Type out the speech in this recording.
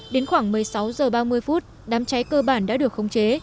đến khoảng một mươi sáu giờ ba mươi phút đám cháy cơ bản đã được khống chế